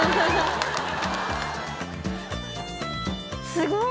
すごい。